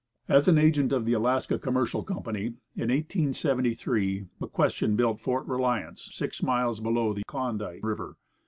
As an agent of the Alaska Commercial Company, in 1873, McQuestion built Fort Reliance, six miles below the Klondike River.